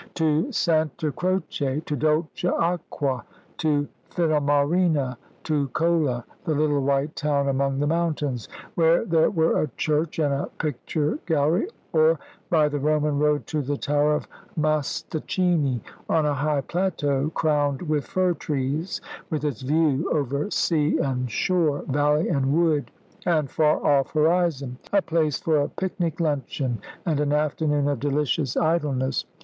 To Santa Croce, to Dolce Aqua, to Finalmarina, to Colla, the little white town among the mountains, where there were a church and a picture gallery, or by the Roman Road to the Tower of Mostaccini, on a high plateau crowned with fir trees, with its view over sea and shore, valley and wood, and far off horizon; a place for a picnic luncheon, and an afternoon of delicious idleness.